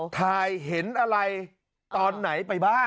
เห็นอะไรตอนไหนไปบ้าง